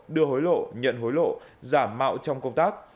đưa hối lộ nhận hối lộ giảm mạo trong công tác